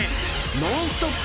ノンストップ！